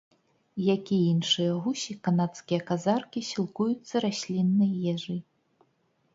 Як і іншыя гусі, канадскія казаркі сілкуюцца расліннай ежай.